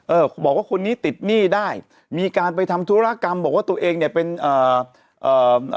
เออบอกว่าคนนี้ติดหนี้ได้มีการไปทำธุรกรรมบอกว่าตัวเองเนี้ยเป็นเอ่อเอ่อ